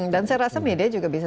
dan saya rasa media juga bisa